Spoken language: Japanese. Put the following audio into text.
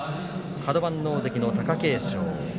カド番の大関の貴景勝。